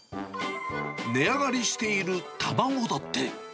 値上がりしている卵だって。